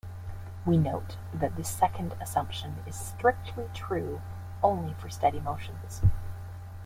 We note that this second assumption is strictly true only for steady motions.